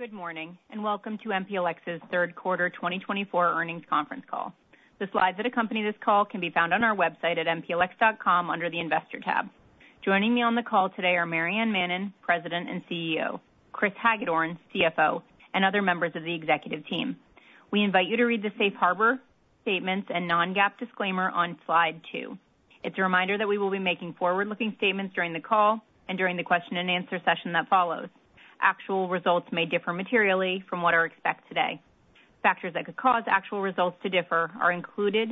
Good morning and welcome to MPLX's third quarter 2024 earnings conference call. The slides that accompany this call can be found on our website at mplx.com under the investor tab. Joining me on the call today are Maryann Mannen, President and CEO, Chris Hagedorn, CFO, and other members of the executive team. We invite you to read the safe harbor statements and non-GAAP disclaimer on slide two. It's a reminder that we will be making forward-looking statements during the call and during the question-and-answer session that follows. Actual results may differ materially from what are expected today. Factors that could cause actual results to differ are included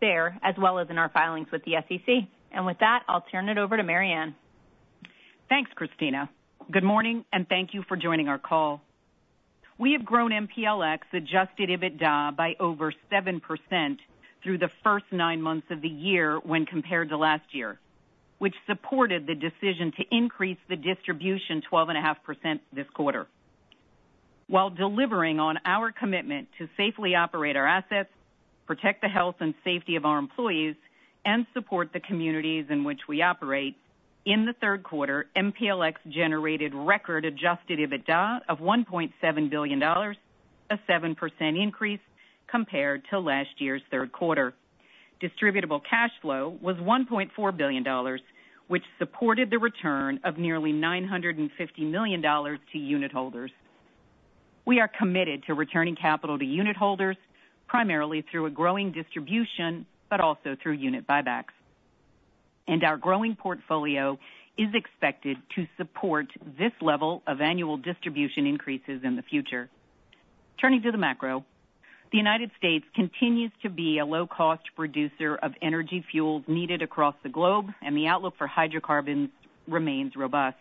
there as well as in our filings with the SEC. With that, I'll turn it over to Maryann. Thanks, Kristina. Good morning and thank you for joining our call. We have grown MPLX Adjusted EBITDA by over 7% through the first nine months of the year when compared to last year, which supported the decision to increase the distribution 12.5% this quarter. While delivering on our commitment to safely operate our assets, protect the health and safety of our employees, and support the communities in which we operate, in the third quarter, MPLX generated record Adjusted EBITDA of $1.7 billion, a 7% increase compared to last year's third quarter. Distributable Cash Flow was $1.4 billion, which supported the return of nearly $950 million to unit holders. We are committed to returning capital to unit holders primarily through a growing distribution, but also through unit buybacks. And our growing portfolio is expected to support this level of annual distribution increases in the future. Turning to the macro, the United States continues to be a low-cost producer of energy fuels needed across the globe, and the outlook for hydrocarbons remains robust.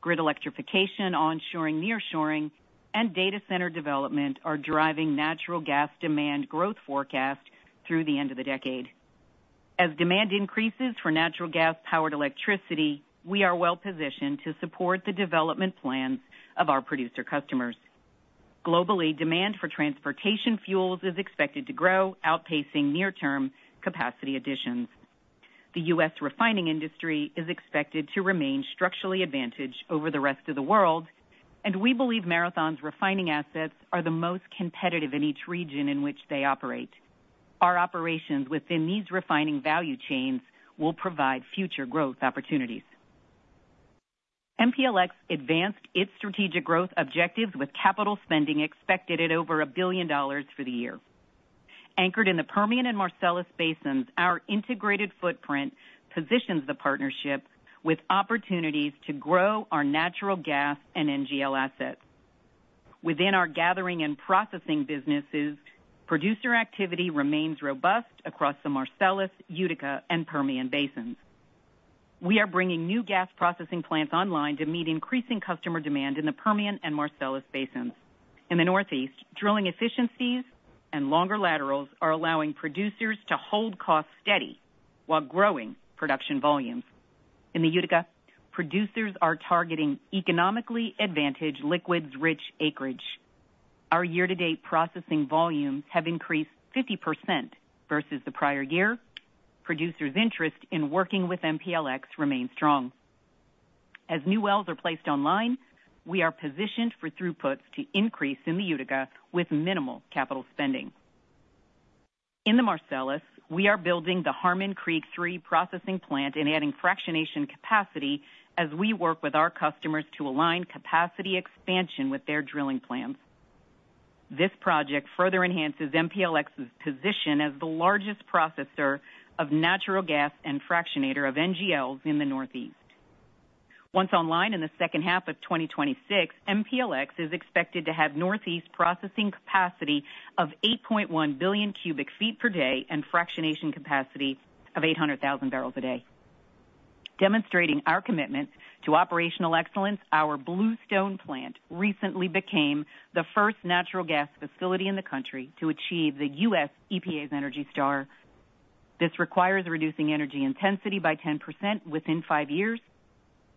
Grid electrification, onshoring, nearshoring, and data center development are driving natural gas demand growth forecasts through the end of the decade. As demand increases for natural gas-powered electricity, we are well positioned to support the development plans of our producer customers. Globally, demand for transportation fuels is expected to grow, outpacing near-term capacity additions. The U.S. refining industry is expected to remain structurally advantaged over the rest of the world, and we believe Marathon's refining assets are the most competitive in each region in which they operate. Our operations within these refining value chains will provide future growth opportunities. MPLX advanced its strategic growth objectives with capital spending expected at over $1 billion for the year. Anchored in the Permian and Marcellus Basins, our integrated footprint positions the partnership with opportunities to grow our natural gas and NGL assets. Within our gathering and processing businesses, producer activity remains robust across the Marcellus, Utica, and Permian Basins. We are bringing new gas processing plants online to meet increasing customer demand in the Permian and Marcellus Basins. In the Northeast, drilling efficiencies and longer laterals are allowing producers to hold costs steady while growing production volumes. In the Utica, producers are targeting economically advantaged liquids-rich acreage. Our year-to-date processing volumes have increased 50% versus the prior year. Producers' interest in working with MPLX remains strong. As new wells are placed online, we are positioned for throughputs to increase in the Utica with minimal capital spending. In the Marcellus, we are building the Harmon Creek 3 processing plant and adding fractionation capacity as we work with our customers to align capacity expansion with their drilling plans. This project further enhances MPLX's position as the largest processor of natural gas and fractionator of NGLs in the Northeast. Once online in the second half of 2026, MPLX is expected to have Northeast processing capacity of 8.1 billion cubic feet per day and fractionation capacity of 800,000 barrels a day. Demonstrating our commitment to operational excellence, our Bluestone plant recently became the first natural gas facility in the country to achieve the U.S. EPA's Energy Star. This requires reducing energy intensity by 10% within five years,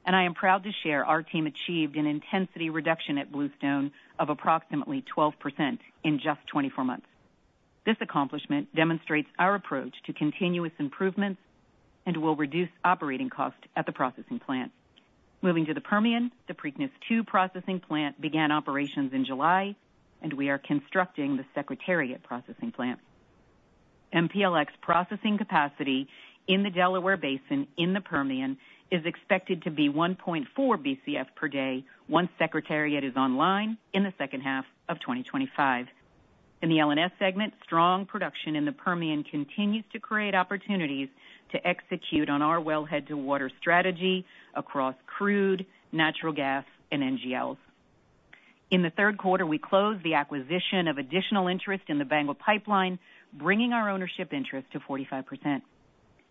and I am proud to share our team achieved an intensity reduction at Bluestone of approximately 12% in just 24 months. This accomplishment demonstrates our approach to continuous improvements and will reduce operating costs at the processing plant. Moving to the Permian, the Preakness 2 processing plant began operations in July, and we are constructing the Secretariat processing plant. MPLX processing capacity in the Delaware Basin in the Permian is expected to be 1.4 Bcf/d once Secretariat is online in the second half of 2025. In the L&S segment, strong production in the Permian continues to create opportunities to execute on our wellhead-to-water strategy across crude, natural gas, and NGLs. In the third quarter, we closed the acquisition of additional interest in the BANGL pipeline, bringing our ownership interest to 45%.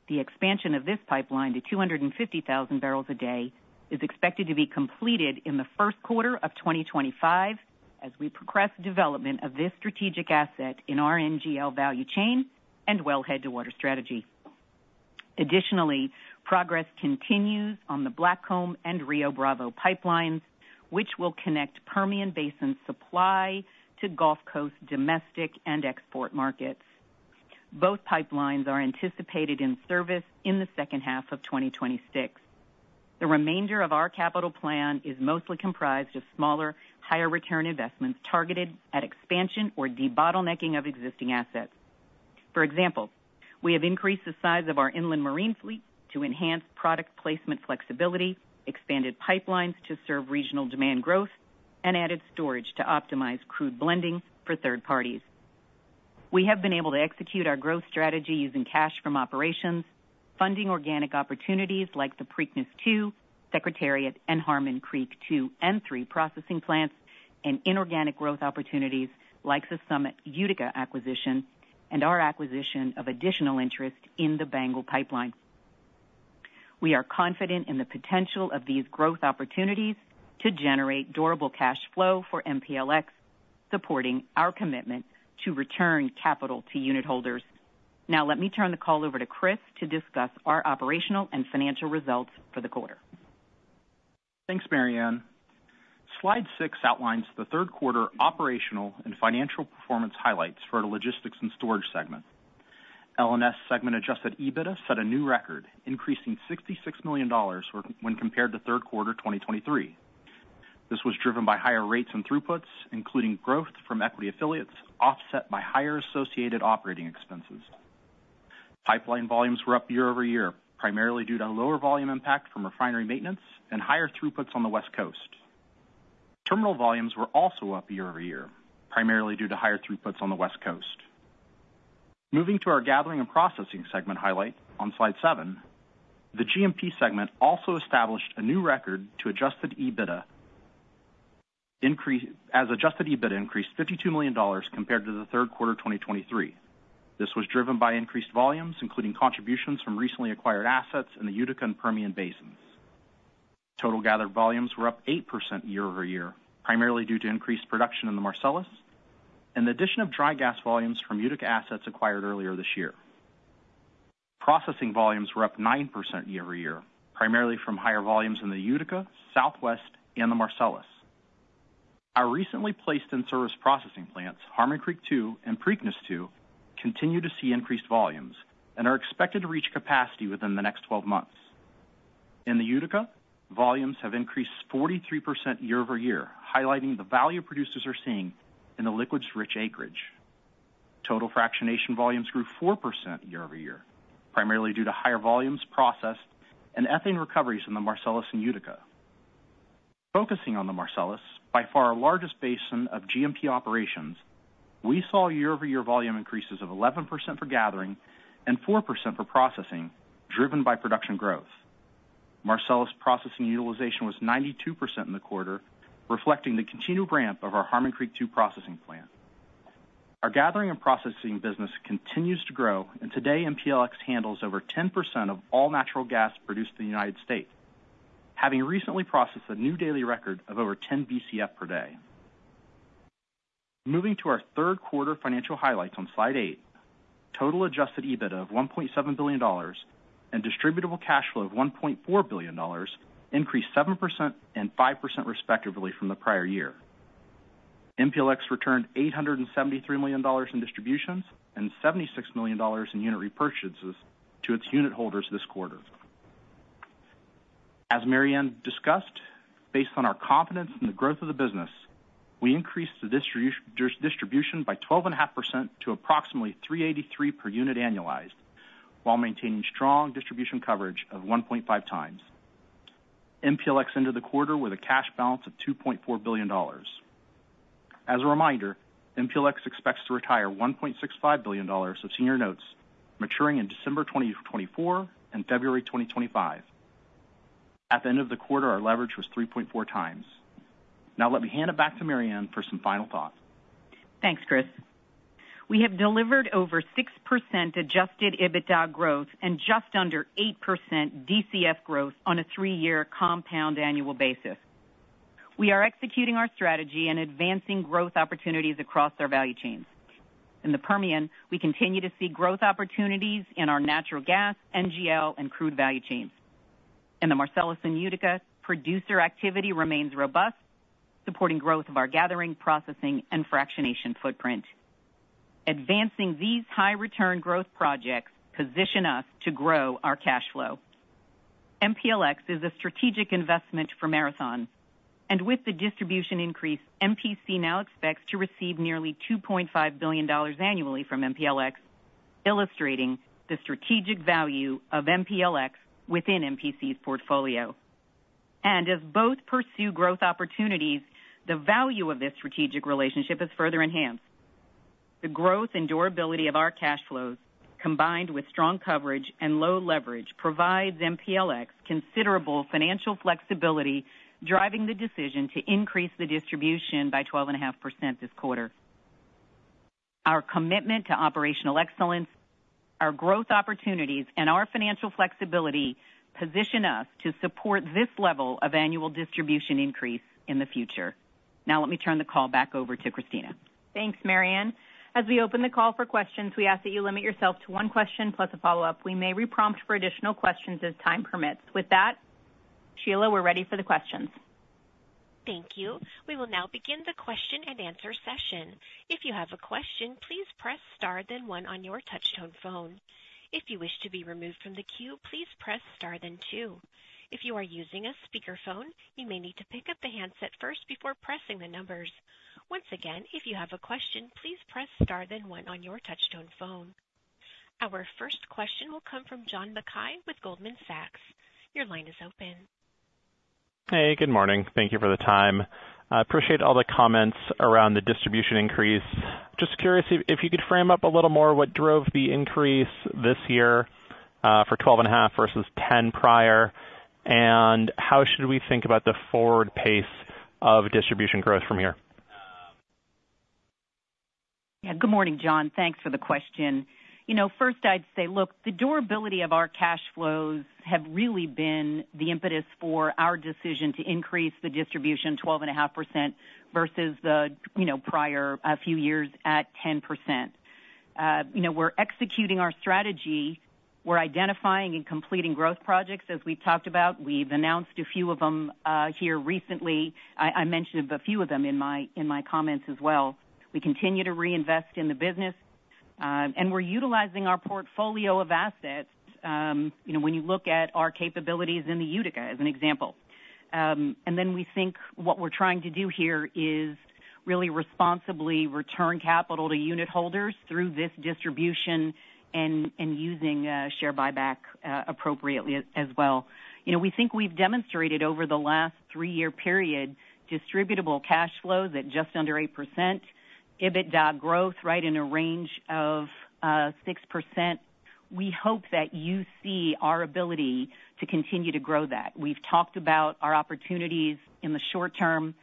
The expansion of this pipeline to 250,000 barrels a day is expected to be completed in the first quarter of 2025 as we progress development of this strategic asset in our NGL value chain and wellhead-to-water strategy. Additionally, progress continues on the Blackcomb and Rio Bravo pipelines, which will connect Permian Basin supply to Gulf Coast domestic and export markets. Both pipelines are anticipated in service in the second half of 2026. The remainder of our capital plan is mostly comprised of smaller, higher-return investments targeted at expansion or debottlenecking of existing assets. For example, we have increased the size of our inland marine fleet to enhance product placement flexibility, expanded pipelines to serve regional demand growth, and added storage to optimize crude blending for third parties. We have been able to execute our growth strategy using cash from operations, funding organic opportunities like the Preakness 2, Secretariat, and Harmon Creek 2 and 3 processing plants, and inorganic growth opportunities like the Summit Utica acquisition and our acquisition of additional interest in the BANGL pipeline. We are confident in the potential of these growth opportunities to generate durable cash flow for MPLX, supporting our commitment to return capital to unit holders. Now, let me turn the call over to Chris to discuss our operational and financial results for the quarter. Thanks, Maryann. Slide six outlines the third quarter operational and financial performance highlights for the logistics and storage segment. L&S segment Adjusted EBITDA set a new record, increasing $66 million when compared to third quarter 2023. This was driven by higher rates and throughputs, including growth from equity affiliates, offset by higher associated operating expenses. Pipeline volumes were up year over year, primarily due to lower volume impact from refinery maintenance and higher throughputs on the West Coast. Terminal volumes were also up year over year, primarily due to higher throughputs on the West Coast. Moving to our gathering and processing segment highlight on slide seven, the G&P segment also established a new record to Adjusted EBITDA as Adjusted EBITDA increased $52 million compared to the third quarter 2023. This was driven by increased volumes, including contributions from recently acquired assets in the Utica and Permian Basins. Total gathered volumes were up 8% year over year, primarily due to increased production in the Marcellus and the addition of dry gas volumes from Utica assets acquired earlier this year. Processing volumes were up 9% year over year, primarily from higher volumes in the Utica, Southwest, and the Marcellus. Our recently placed in service processing plants, Harmon Creek 2 and Preakness 2, continue to see increased volumes and are expected to reach capacity within the next 12 months. In the Utica, volumes have increased 43% year over year, highlighting the value producers are seeing in the liquids-rich acreage. Total fractionation volumes grew 4% year over year, primarily due to higher volumes processed and ethane recoveries in the Marcellus and Utica. Focusing on the Marcellus, by far our largest basin of G&P operations, we saw year-over-year volume increases of 11% for gathering and 4% for processing, driven by production growth. Marcellus processing utilization was 92% in the quarter, reflecting the continued ramp of our Harmon Creek 2 processing plant. Our gathering and processing business continues to grow, and today MPLX handles over 10% of all natural gas produced in the United States, having recently processed a new daily record of over 10 BCF per day. Moving to our third quarter financial highlights on slide eight, total Adjusted EBITDA of $1.7 billion and Distributable Cash Flow of $1.4 billion increased 7% and 5% respectively from the prior year. MPLX returned $873 million in distributions and $76 million in unit repurchases to its unit holders this quarter. As Maryann discussed, based on our confidence in the growth of the business, we increased the distribution by 12.5% to approximately $383 per unit annualized, while maintaining strong distribution coverage of 1.5 times. MPLX ended the quarter with a cash balance of $2.4 billion. As a reminder, MPLX expects to retire $1.65 billion of senior notes maturing in December 2024 and February 2025. At the end of the quarter, our leverage was 3.4 times. Now, let me hand it back to Maryann for some final thoughts. Thanks, Chris. We have delivered over 6% Adjusted EBITDA growth and just under 8% DCF growth on a three-year compound annual basis. We are executing our strategy and advancing growth opportunities across our value chains. In the Permian, we continue to see growth opportunities in our natural gas, NGL, and crude value chains. In the Marcellus and Utica, producer activity remains robust, supporting growth of our gathering, processing, and fractionation footprint. Advancing these high-return growth projects positions us to grow our cash flow. MPLX is a strategic investment for Marathon, and with the distribution increase, MPC now expects to receive nearly $2.5 billion annually from MPLX, illustrating the strategic value of MPLX within MPC's portfolio. And as both pursue growth opportunities, the value of this strategic relationship is further enhanced. The growth and durability of our cash flows, combined with strong coverage and low leverage, provides MPLX considerable financial flexibility, driving the decision to increase the distribution by 12.5% this quarter. Our commitment to operational excellence, our growth opportunities, and our financial flexibility position us to support this level of annual distribution increase in the future. Now, let me turn the call back over to Kristina. Thanks, Maryann. As we open the call for questions, we ask that you limit yourself to one question plus a follow-up. We may reprompt for additional questions as time permits. With that, Sheila, we're ready for the questions. Thank you. We will now begin the question and answer session. If you have a question, please press star then one on your touchtone phone. If you wish to be removed from the queue, please press star then two. If you are using a speakerphone, you may need to pick up the handset first before pressing the numbers. Once again, if you have a question, please press star then one on your touchtone phone. Our first question will come from John Mackay with Goldman Sachs. Your line is open. Hey, good morning. Thank you for the time. I appreciate all the comments around the distribution increase. Just curious if you could frame up a little more what drove the increase this year for 12.5% versus 10% prior, and how should we think about the forward pace of distribution growth from here? Yeah, good morning, John. Thanks for the question. You know, first I'd say, look, the durability of our cash flows has really been the impetus for our decision to increase the distribution 12.5% versus the prior few years at 10%. You know, we're executing our strategy. We're identifying and completing growth projects, as we've talked about. We've announced a few of them here recently. I mentioned a few of them in my comments as well. We continue to reinvest in the business, and we're utilizing our portfolio of assets. You know, when you look at our capabilities in the Utica, as an example, and then we think what we're trying to do here is really responsibly return capital to unit holders through this distribution and using share buyback appropriately as well. You know, we think we've demonstrated over the last three-year period distributable cash flows at just under 8%, EBITDA growth right in a range of 6%. We hope that you see our ability to continue to grow that. We've talked about our opportunities in the short term.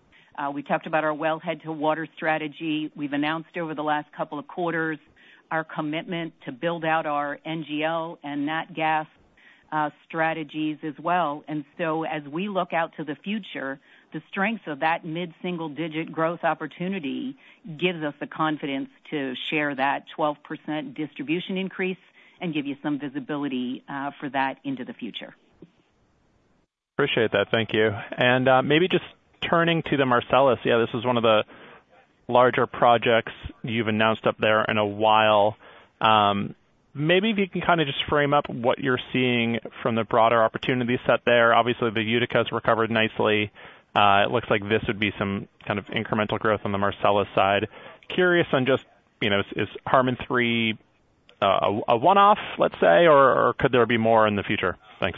We talked about our wellhead-to-water strategy. We've announced over the last couple of quarters our commitment to build out our NGL and nat gas strategies as well. And so, as we look out to the future, the strength of that mid-single-digit growth opportunity gives us the confidence to share that 12% distribution increase and give you some visibility for that into the future. Appreciate that. Thank you. And maybe just turning to the Marcellus. Yeah, this is one of the larger projects you've announced up there in a while. Maybe if you can kind of just frame up what you're seeing from the broader opportunity set there. Obviously, the Utica has recovered nicely. It looks like this would be some kind of incremental growth on the Marcellus side. Curious on just, you know, is Harmon 3 a one-off, let's say, or could there be more in the future? Thanks.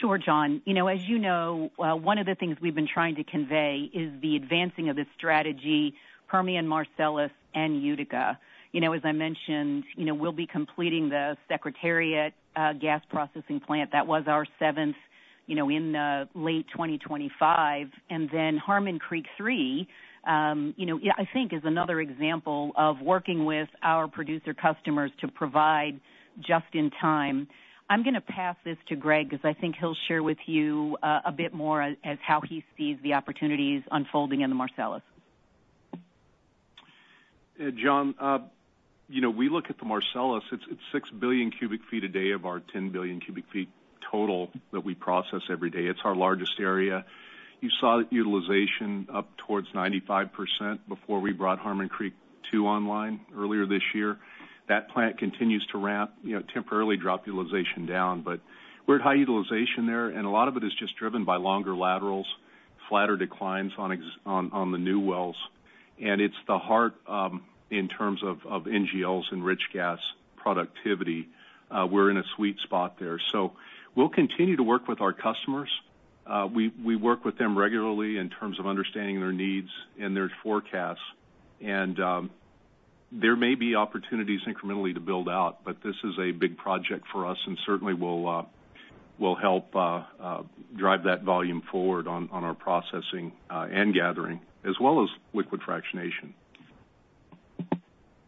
Sure, John. You know, as you know, one of the things we've been trying to convey is the advancing of this strategy, Permian, Marcellus, and Utica. You know, as I mentioned, you know, we'll be completing the Secretariat gas processing plant. That was our seventh, you know, in late 2025. And then Harmon Creek 3, you know, I think is another example of working with our producer customers to provide just in time. I'm going to pass this to Greg because I think he'll share with you a bit more as how he sees the opportunities unfolding in the Marcellus. John, you know, we look at the Marcellus. It's six billion cubic feet a day of our 10 billion cubic feet total that we process every day. It's our largest area. You saw utilization up towards 95% before we brought Harmon Creek 2 online earlier this year. That plant continues to ramp, you know, temporarily drop utilization down, but we're at high utilization there, and a lot of it is just driven by longer laterals, flatter declines on the new wells, and it's the heart in terms of NGLs and rich gas productivity. We're in a sweet spot there, so we'll continue to work with our customers. We work with them regularly in terms of understanding their needs and their forecasts. There may be opportunities incrementally to build out, but this is a big project for us and certainly will help drive that volume forward on our processing and gathering, as well as liquid fractionation.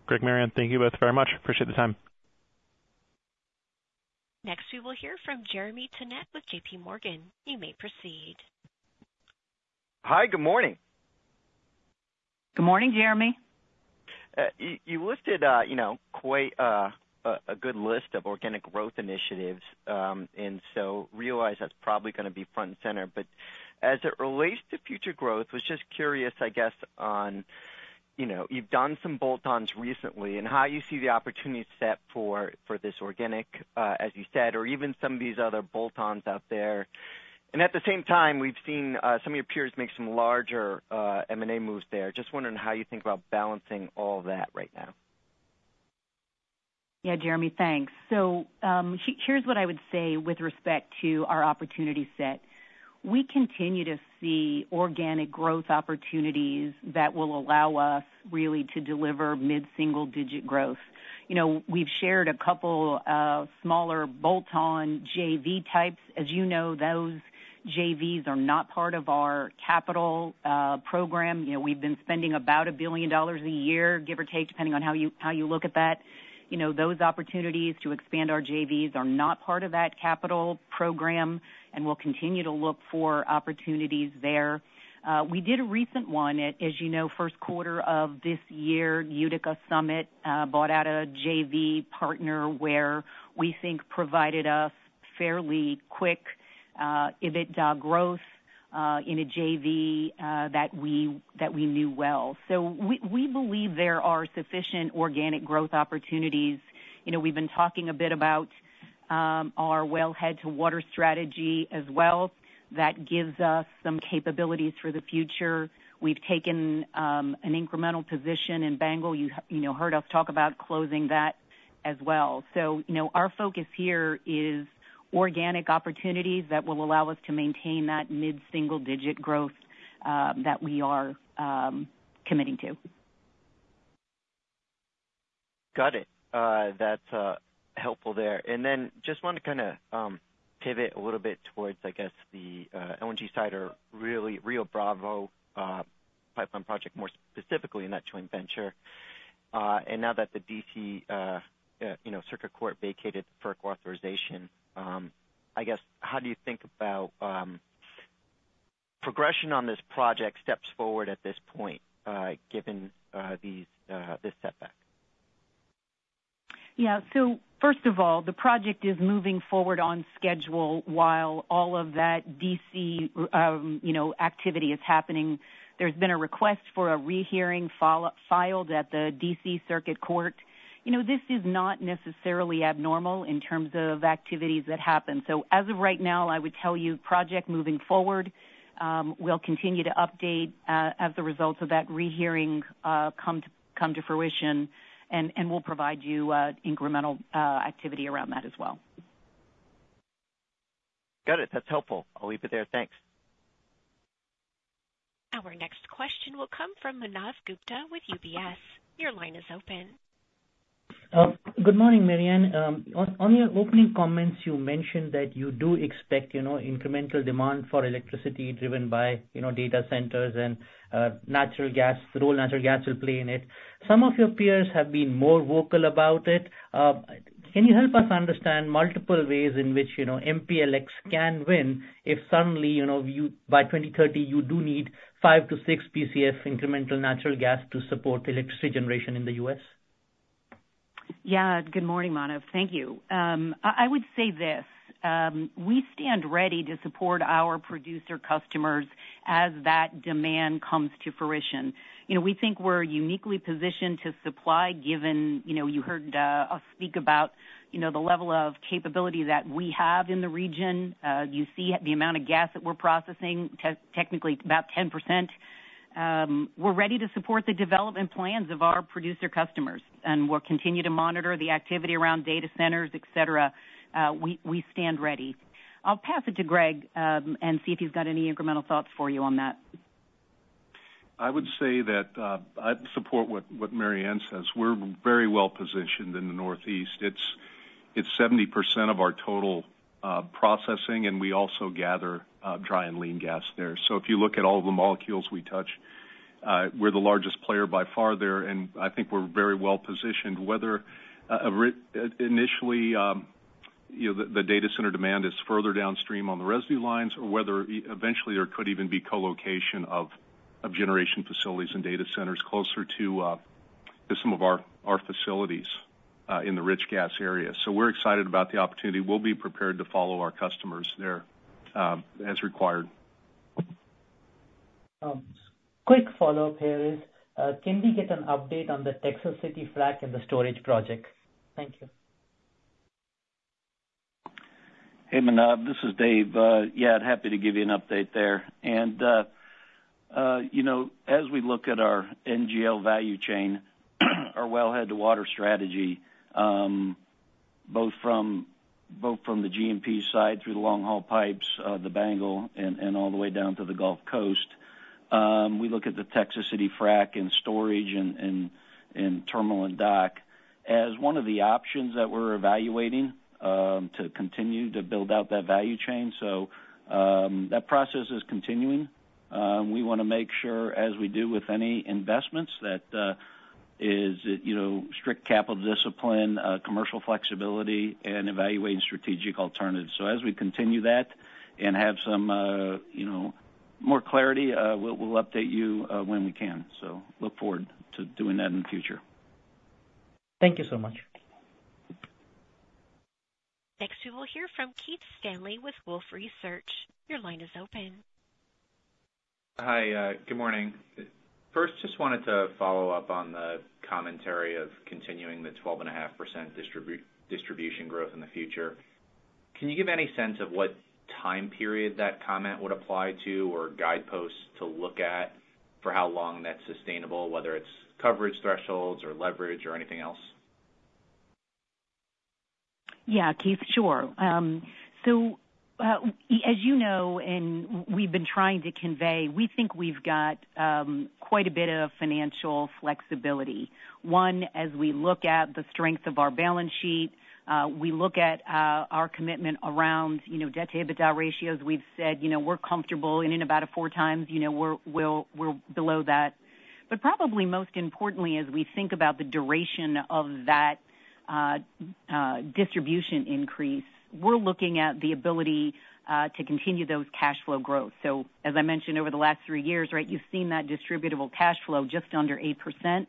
Greg, Maryann, thank you both very much. Appreciate the time. Next, we will hear from Jeremy Tonet with J.P. Morgan. You may proceed. Hi, good morning. Good morning, Jeremy. You listed, you know, quite a good list of organic growth initiatives. And so realize that's probably going to be front and center. But as it relates to future growth, I was just curious, I guess, on, you know, you've done some bolt-ons recently and how you see the opportunity set for this organic, as you said, or even some of these other bolt-ons out there. And at the same time, we've seen some of your peers make some larger M&A moves there. Just wondering how you think about balancing all that right now? Yeah, Jeremy, thanks. So here's what I would say with respect to our opportunity set. We continue to see organic growth opportunities that will allow us really to deliver mid-single-digit growth. You know, we've shared a couple of smaller bolt-on JV types. As you know, those JVs are not part of our capital program. You know, we've been spending about $1 billion a year, give or take, depending on how you look at that. You know, those opportunities to expand our JVs are not part of that capital program, and we'll continue to look for opportunities there. We did a recent one, as you know, first quarter of this year, Summit Utica bought out a JV partner where we think provided us fairly quick EBITDA growth in a JV that we knew well. So we believe there are sufficient organic growth opportunities. You know, we've been talking a bit about our wellhead-to-water strategy as well. That gives us some capabilities for the future. We've taken an incremental position in BANGL. You know, heard us talk about closing that as well. So, you know, our focus here is organic opportunities that will allow us to maintain that mid-single-digit growth that we are committing to. Got it. That's helpful there. And then just want to kind of pivot a little bit towards, I guess, the LNG side or really Rio Bravo Pipeline project, more specifically in that joint venture. And now that the D.C., you know, Circuit Court vacated the FERC authorization, I guess, how do you think about progression on this project steps forward at this point, given this setback? Yeah, so first of all, the project is moving forward on schedule while all of that D.C., you know, activity is happening. There's been a request for a rehearing filed at the D.C. Circuit Court. You know, this is not necessarily abnormal in terms of activities that happen. So as of right now, I would tell you project moving forward, we'll continue to update as the results of that rehearing come to fruition, and we'll provide you incremental activity around that as well. Got it. That's helpful. I'll leave it there. Thanks. Our next question will come from Manav Gupta with UBS. Your line is open. Good morning, Maryann. On your opening comments, you mentioned that you do expect, you know, incremental demand for electricity driven by, you know, data centers and natural gas, the role natural gas will play in it. Some of your peers have been more vocal about it. Can you help us understand multiple ways in which, you know, MPLX can win if suddenly, you know, by 2030, you do need five to six Bcf incremental natural gas to support electricity generation in the U.S.? Yeah, good morning, Manav. Thank you. I would say this. We stand ready to support our producer customers as that demand comes to fruition. You know, we think we're uniquely positioned to supply given, you know, you heard us speak about, you know, the level of capability that we have in the region. You see the amount of gas that we're processing, technically about 10%. We're ready to support the development plans of our producer customers, and we'll continue to monitor the activity around data centers, et cetera. We stand ready. I'll pass it to Greg and see if he's got any incremental thoughts for you on that. I would say that I support what Maryann says. We're very well positioned in the Northeast. It's 70% of our total processing, and we also gather dry and lean gas there. So if you look at all of the molecules we touch, we're the largest player by far there, and I think we're very well positioned, whether initially, you know, the data center demand is further downstream on the residue lines, or whether eventually there could even be colocation of generation facilities and data centers closer to some of our facilities in the rich gas area. So we're excited about the opportunity. We'll be prepared to follow our customers there as required. Quick follow-up here is, can we get an update on the Texas City frac and the storage project? Thank you. Hey, Manav, this is Dave. Yeah, happy to give you an update there. And, you know, as we look at our NGL value chain, our wellhead-to-water strategy, both from the G&P side through the long-haul pipes, the BANGL, and all the way down to the Gulf Coast, we look at the Texas City frac and storage and terminal and dock as one of the options that we're evaluating to continue to build out that value chain. So that process is continuing. We want to make sure, as we do with any investments, that is, you know, strict capital discipline, commercial flexibility, and evaluating strategic alternatives. So as we continue that and have some, you know, more clarity, we'll update you when we can. So look forward to doing that in the future. Thank you so much. Next, we will hear from Keith Stanley with Wolfe Research. Your line is open. Hi, good morning. First, just wanted to follow up on the commentary of continuing the 12.5% distribution growth in the future. Can you give any sense of what time period that comment would apply to or guideposts to look at for how long that's sustainable, whether it's coverage thresholds or leverage or anything else? Yeah, Keith, sure. So as you know, and we've been trying to convey, we think we've got quite a bit of financial flexibility. One, as we look at the strength of our balance sheet, we look at our commitment around, you know, debt-to-EBITDA ratios. We've said, you know, we're comfortable, and in about four times, you know, we're below that. But probably most importantly, as we think about the duration of that distribution increase, we're looking at the ability to continue those cash flow growth. So as I mentioned, over the last three years, right, you've seen that distributable cash flow just under 8%.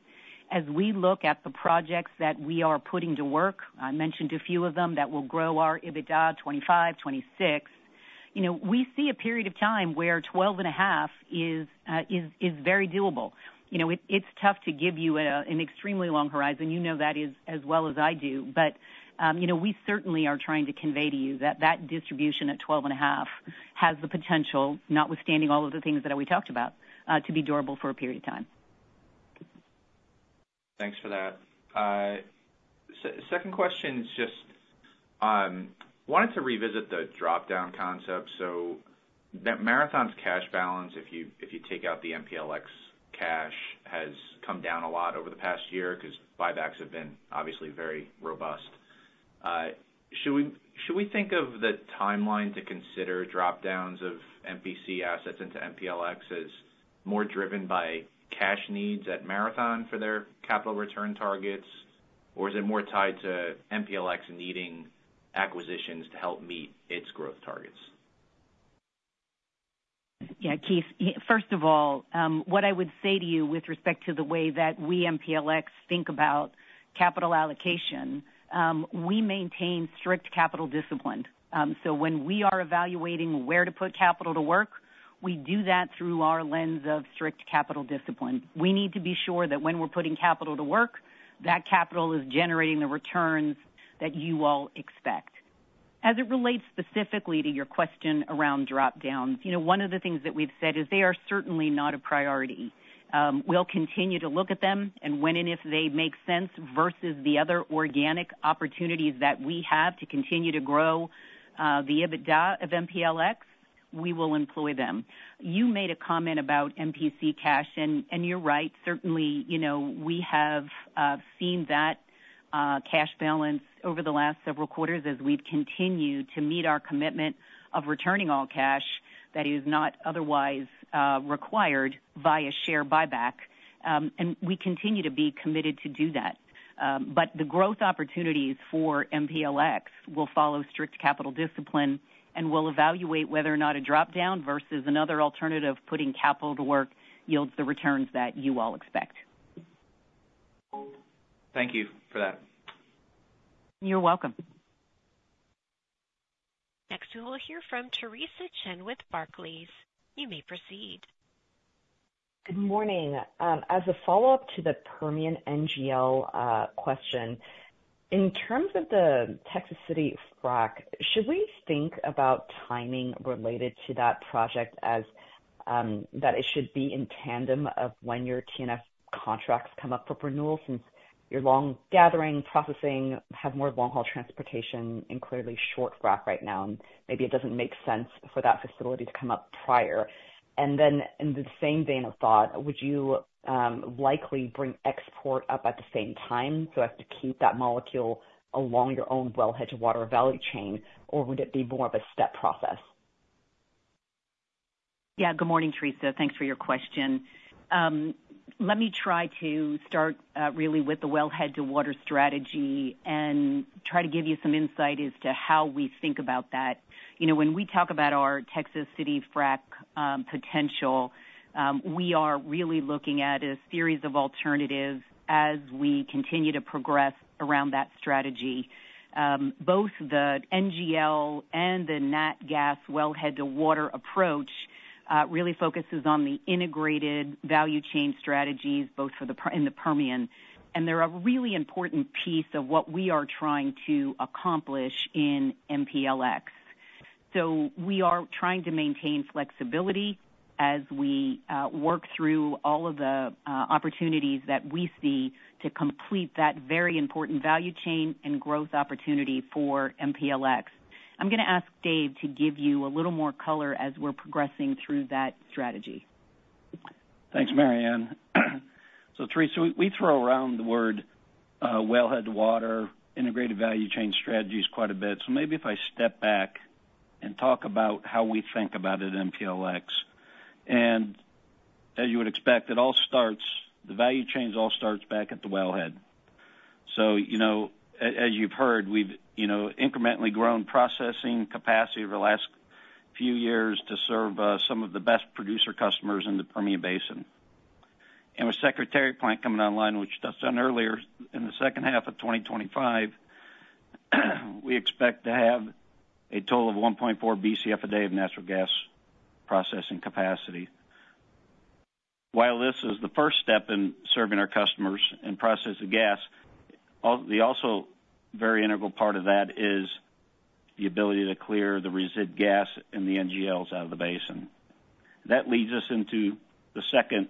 As we look at the projects that we are putting to work, I mentioned a few of them that will grow our EBITDA 25, 26, you know, we see a period of time where 12.5 is very doable. You know, it's tough to give you an extremely long horizon. You know that as well as I do. But, you know, we certainly are trying to convey to you that that distribution at 12.5 has the potential, notwithstanding all of the things that we talked about, to be durable for a period of time. Thanks for that. Second question is just, I wanted to revisit the dropdown concept. So that Marathon's cash balance, if you take out the MPLX cash, has come down a lot over the past year because buybacks have been obviously very robust. Should we think of the timeline to consider dropdowns of MPC assets into MPLX as more driven by cash needs at Marathon for their capital return targets, or is it more tied to MPLX needing acquisitions to help meet its growth targets? Yeah, Keith, first of all, what I would say to you with respect to the way that we at MPLX think about capital allocation, we maintain strict capital discipline. So when we are evaluating where to put capital to work, we do that through our lens of strict capital discipline. We need to be sure that when we're putting capital to work, that capital is generating the returns that you all expect. As it relates specifically to your question around dropdowns, you know, one of the things that we've said is they are certainly not a priority. We'll continue to look at them and when and if they make sense versus the other organic opportunities that we have to continue to grow the EBITDA of MPLX, we will employ them. You made a comment about MPC cash, and you're right. Certainly, you know, we have seen that cash balance over the last several quarters as we've continued to meet our commitment of returning all cash that is not otherwise required via share buyback. And we continue to be committed to do that. But the growth opportunities for MPLX will follow strict capital discipline and will evaluate whether or not a dropdown versus another alternative putting capital to work yields the returns that you all expect. Thank you for that. You're welcome. Next, we will hear from Theresa Chen with Barclays. You may proceed. Good morning. As a follow-up to the Permian NGL question, in terms of the Texas City FRAC, should we think about timing related to that project as that it should be in tandem of when your T&F contracts come up for renewal since you're long gathering, processing, have more long-haul transportation, and clearly short FRAC right now, and maybe it doesn't make sense for that facility to come up prior? And then in the same vein of thought, would you likely bring export up at the same time so as to keep that molecule along your own wellhead-to-water value chain, or would it be more of a step process? Yeah, good morning, Theresa. Thanks for your question. Let me try to start really with the wellhead-to-water strategy and try to give you some insight as to how we think about that. You know, when we talk about our Texas City frac potential, we are really looking at a series of alternatives as we continue to progress around that strategy. Both the NGL and the NatGas wellhead-to-water approach really focuses on the integrated value chain strategies both in the Permian, and they're a really important piece of what we are trying to accomplish in MPLX, so we are trying to maintain flexibility as we work through all of the opportunities that we see to complete that very important value chain and growth opportunity for MPLX. I'm going to ask Dave to give you a little more color as we're progressing through that strategy. Thanks, Maryann. So Theresa, we throw around the word wellhead-to-water integrated value chain strategies quite a bit. So maybe if I step back and talk about how we think about it in MPLX. And as you would expect, it all starts, the value chain all starts back at the wellhead. So, you know, as you've heard, we've, you know, incrementally grown processing capacity over the last few years to serve some of the best producer customers in the Permian Basin. And with Secretariat Plant coming online, which was done earlier in the second half of 2025, we expect to have a total of 1.4 BCF a day of natural gas processing capacity. While this is the first step in serving our customers and processing gas, they also very integral part of that is the ability to clear the residue gas and the NGLs out of the basin. That leads us into the second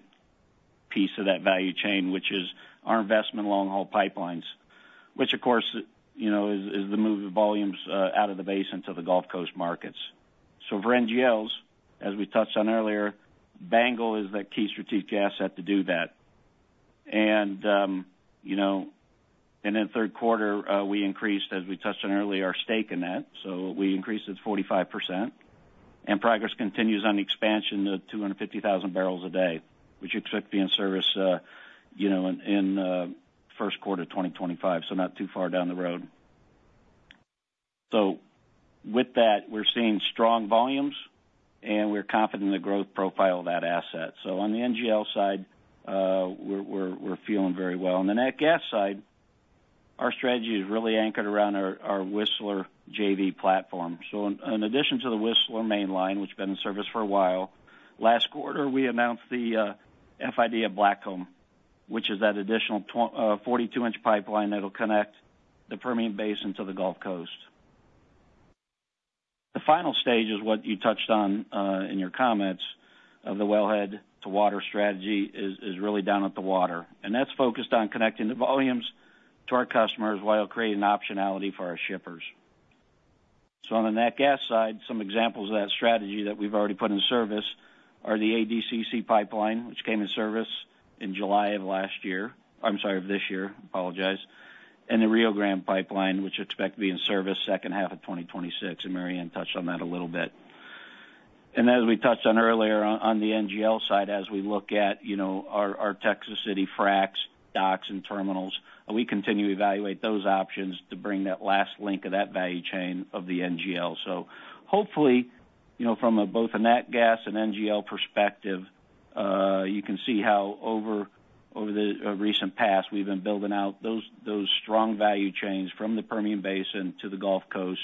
piece of that value chain, which is our investment long-haul pipelines, which of course, you know, is the move of volumes out of the basin to the Gulf Coast markets. So for NGLs, as we touched on earlier, BANGL is the key strategic asset to do that. And, you know, and in third quarter, we increased, as we touched on earlier, our stake in that. So we increased it to 45%. And progress continues on expansion to 250,000 barrels a day, which we expect to be in service, you know, in first quarter of 2025, so not too far down the road. So with that, we're seeing strong volumes, and we're confident in the growth profile of that asset. So on the NGL side, we're feeling very well. On the natural gas side, our strategy is really anchored around our Whistler JV platform. In addition to the Whistler mainline, which has been in service for a while, last quarter, we announced the FID of Blackcomb, which is that additional 42-inch pipeline that will connect the Permian Basin to the Gulf Coast. The final stage is what you touched on in your comments of the wellhead-to-water strategy is really down at the water. That's focused on connecting the volumes to our customers while creating optionality for our shippers. On the natural gas side, some examples of that strategy that we've already put in service are the ADCC Pipeline, which came in service in July of last year, I'm sorry, of this year, apologize, and the Rio Grande Pipeline, which we expect to be in service second half of 2026. Maryann touched on that a little bit. As we touched on earlier on the NGL side, as we look at, you know, our Texas City fracs, docks, and terminals, we continue to evaluate those options to bring that last link of that value chain of the NGL. So hopefully, you know, from both a net gas and NGL perspective, you can see how over the recent past, we've been building out those strong value chains from the Permian Basin to the Gulf Coast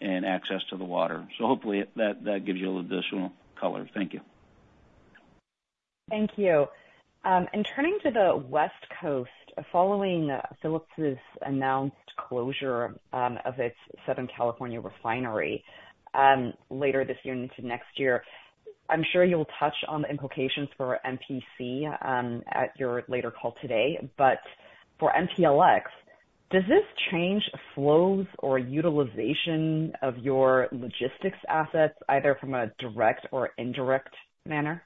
and access to the water. So hopefully, that gives you a little additional color. Thank you. Thank you. And turning to the West Coast, following Phillips 66's announced closure of its Southern California refinery later this year into next year, I'm sure you'll touch on the implications for MPC at your later call today. But for MPLX, does this change flows or utilization of your logistics assets either from a direct or indirect manner?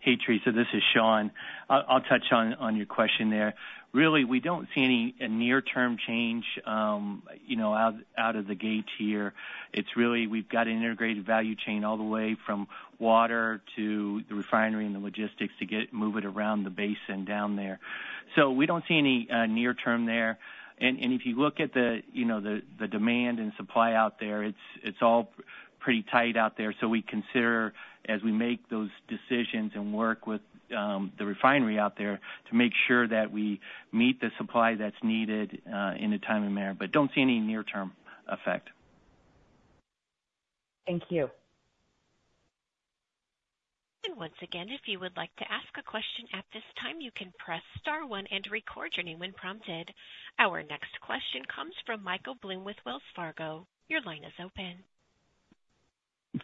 Hey, Theresa, this is Shawn. I'll touch on your question there. Really, we don't see any near-term change, you know, out of the gate here. It's really we've got an integrated value chain all the way from water to the refinery and the logistics to move it around the basin down there. So we don't see any near-term there. And if you look at the, you know, the demand and supply out there, it's all pretty tight out there. So we consider, as we make those decisions and work with the refinery out there, to make sure that we meet the supply that's needed in a timely manner. But don't see any near-term effect. Thank you. Once again, if you would like to ask a question at this time, you can press star one and record your name when prompted. Our next question comes from Michael Blum with Wells Fargo. Your line is open.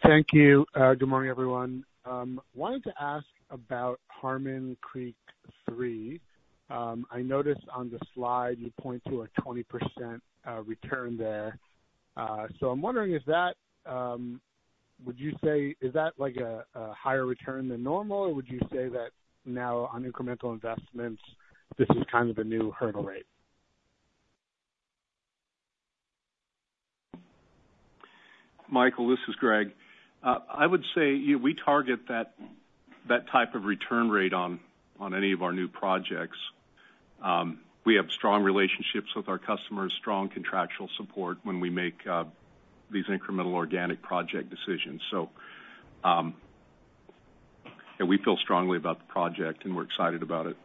Thank you. Good morning, everyone. I wanted to ask about Harmon Creek 3. I noticed on the slide, you point to a 20% return there. So I'm wondering, is that, would you say, is that like a higher return than normal, or would you say that now on incremental investments, this is kind of a new hurdle rate? Michael, this is Greg. I would say, you know, we target that type of return rate on any of our new projects. We have strong relationships with our customers, strong contractual support when we make these incremental organic project decisions. So we feel strongly about the project, and we're excited about it.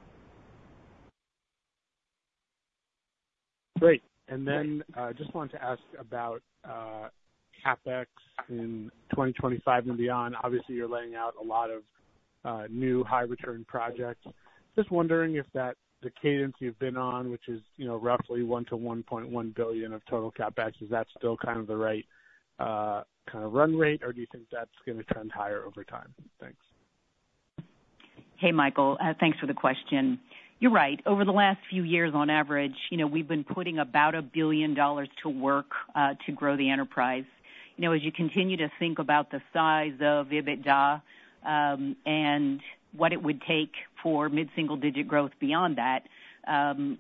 Great. And then I just wanted to ask about CapEx in 2025 and beyond. Obviously, you're laying out a lot of new high-return projects. Just wondering if that, the cadence you've been on, which is, you know, roughly $1 billion-$1.1 billion of total CapEx, is that still kind of the right kind of run rate, or do you think that's going to trend higher over time? Thanks. Hey, Michael, thanks for the question. You're right. Over the last few years, on average, you know, we've been putting about $1 billion to work to grow the enterprise. You know, as you continue to think about the size of EBITDA and what it would take for mid-single digit growth beyond that,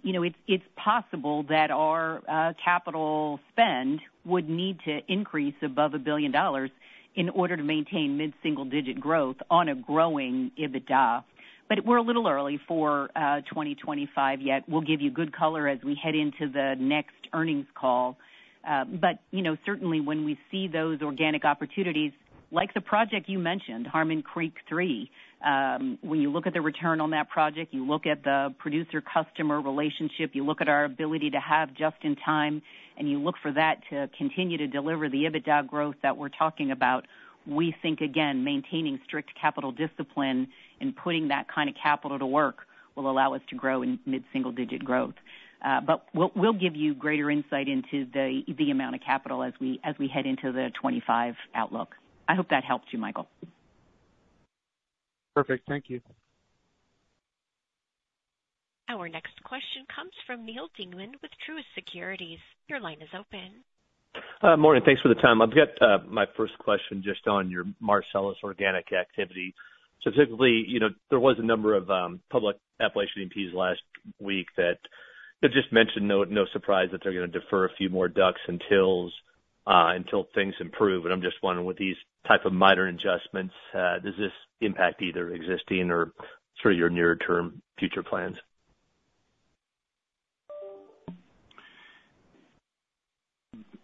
you know, it's possible that our capital spend would need to increase above $1 billion in order to maintain mid-single digit growth on a growing EBITDA. But we're a little early for 2025 yet. We'll give you good color as we head into the next earnings call. But, you know, certainly when we see those organic opportunities, like the project you mentioned, Harmon Creek 3, when you look at the return on that project, you look at the producer-customer relationship, you look at our ability to have just in time, and you look for that to continue to deliver the EBITDA growth that we're talking about, we think, again, maintaining strict capital discipline and putting that kind of capital to work will allow us to grow in mid-single-digit growth. But we'll give you greater insight into the amount of capital as we head into the 2025 outlook. I hope that helped you, Michael. Perfect. Thank you. Our next question comes from Neal Dingmann with Truist Securities. Your line is open. Morning. Thanks for the time. I've got my first question just on your Marcellus organic activity. So typically, you know, there was a number of public Appalachian E&Ps last week that just mentioned no surprise that they're going to defer a few more DUCs and TILs until things improve. And I'm just wondering, with these types of minor adjustments, does this impact either existing or sort of your near-term future plans?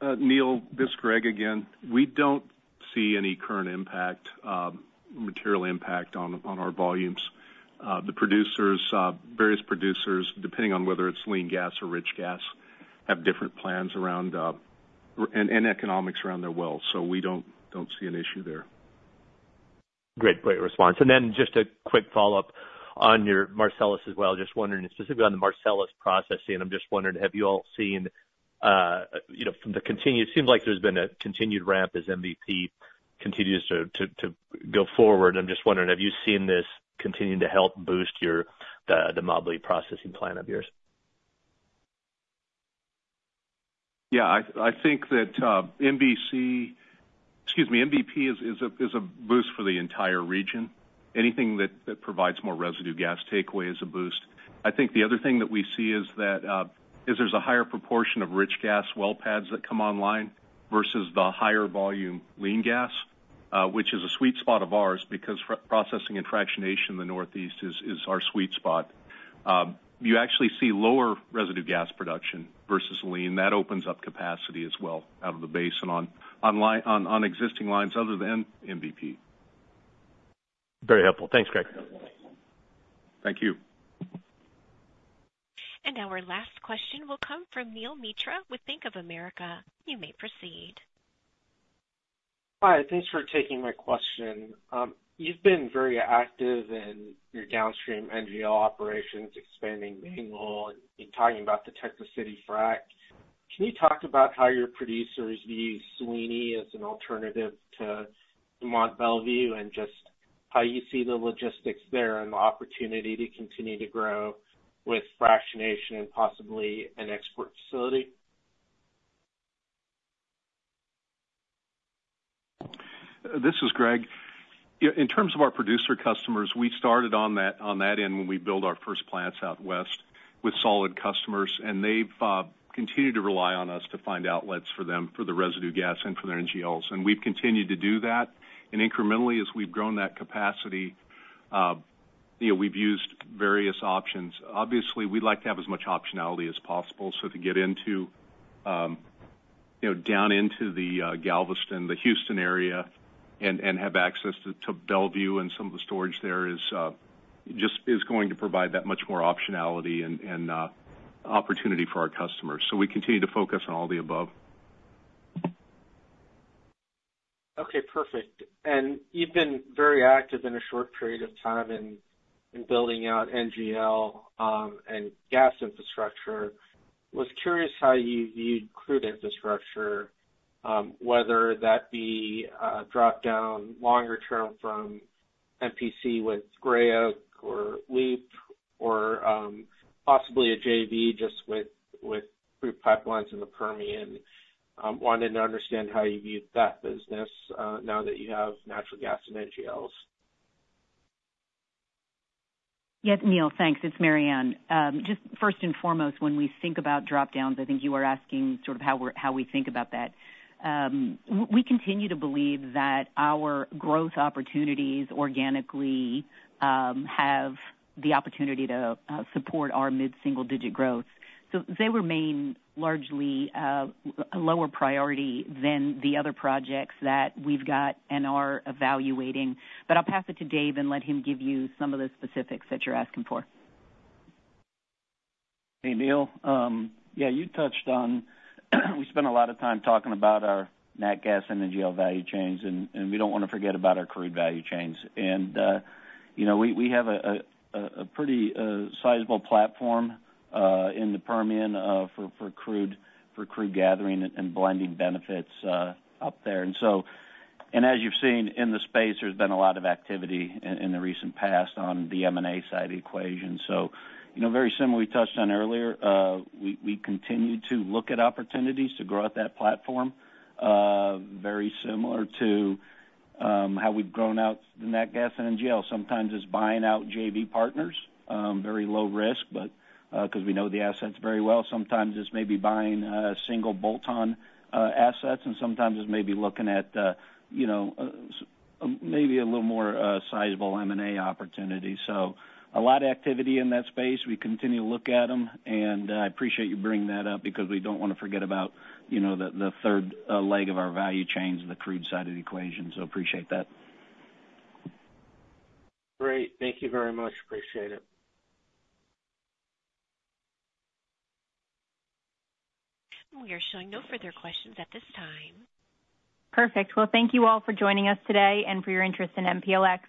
Neal, this is Greg again. We don't see any current impact, material impact on our volumes. The producers, various producers, depending on whether it's lean gas or rich gas, have different plans around and economics around their wells. So we don't see an issue there. Great. Great response. And then just a quick follow-up on your Marcellus as well. Just wondering specifically on the Marcellus processing. I'm just wondering, have you all seen, you know, from the continued, it seems like there's been a continued ramp as MVP continues to go forward. I'm just wondering, have you seen this continue to help boost your, the Mobley processing plant of yours? Yeah. I think that MVC, excuse me, MVP is a boost for the entire region. Anything that provides more residue gas takeaway is a boost. I think the other thing that we see is that there's a higher proportion of rich gas well pads that come online versus the higher volume lean gas, which is a sweet spot of ours because processing and fractionation in the Northeast is our sweet spot. You actually see lower residue gas production versus lean. That opens up capacity as well out of the basin on existing lines other than MVP. Very helpful. Thanks, Greg. Thank you. Our last question will come from Neel Mitra with Bank of America. You may proceed. Hi. Thanks for taking my question. You've been very active in your downstream NGL operations, expanding BANGL, and talking about the Texas City frac. Can you talk about how your producers view Sweeny as an alternative to Mont Belvieu and just how you see the logistics there and the opportunity to continue to grow with fractionation and possibly an export facility? This is Greg. In terms of our producer customers, we started on that end when we built our first plants out west with solid customers, and they've continued to rely on us to find outlets for them for the residue gas and for their NGLs, and we've continued to do that, and incrementally, as we've grown that capacity, you know, we've used various options. Obviously, we'd like to have as much optionality as possible. So to get into, you know, down into the Galveston, the Houston area and have access to Mont Belvieu and some of the storage there is just going to provide that much more optionality and opportunity for our customers, so we continue to focus on all the above. Okay. Perfect. And you've been very active in a short period of time in building out NGL and gas infrastructure. I was curious how you viewed crude infrastructure, whether that be dropped down longer term from MPC with Gray Oak or LEAP or possibly a JV just with crude pipelines in the Permian. Wanted to understand how you viewed that business now that you have natural gas and NGLs. Yes, Neel. Thanks. It's Maryann. Just first and foremost, when we think about dropdowns, I think you were asking sort of how we think about that. We continue to believe that our growth opportunities organically have the opportunity to support our mid-single-digit growth. So they remain largely a lower priority than the other projects that we've got and are evaluating. But I'll pass it to Dave and let him give you some of the specifics that you're asking for. Hey, Neel. Yeah, you touched on. We spent a lot of time talking about our net gas and NGL value chains, and we don't want to forget about our crude value chains. You know, we have a pretty sizable platform in the Permian for crude gathering and blending benefits up there. So as you've seen in the space, there's been a lot of activity in the recent past on the M&A side of the equation. You know, very similar to what we touched on earlier, we continue to look at opportunities to grow out that platform, very similar to how we've grown out the net gas and NGL. Sometimes it's buying out JV partners, very low risk, but because we know the assets very well. Sometimes it's maybe buying single bolt-on assets, and sometimes it's maybe looking at, you know, maybe a little more sizable M&A opportunity. So a lot of activity in that space. We continue to look at them. And I appreciate you bringing that up because we don't want to forget about, you know, the third leg of our value chains, the crude side of the equation. So appreciate that. Great. Thank you very much. Appreciate it. We are showing no further questions at this time. Perfect. Thank you all for joining us today and for your interest in MPLX.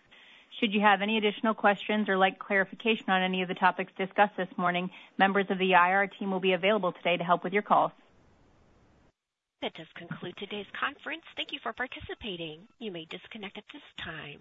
Should you have any additional questions or would like clarification on any of the topics discussed this morning, members of the IR team will be available today to help with your call. That does conclude today's conference. Thank you for participating. You may disconnect at this time.